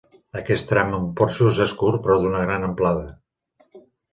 Aquest tram amb porxos és curt però d'una gran amplada.